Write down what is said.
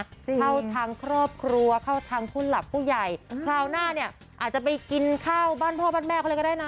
เข้าทางครอบครัวเข้าทางผู้หลักผู้ใหญ่คราวหน้าเนี่ยอาจจะไปกินข้าวบ้านพ่อบ้านแม่เขาเลยก็ได้นะ